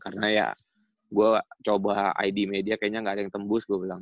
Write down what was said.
karena ya gua coba id media kayaknya ga ada yang tembus gua bilang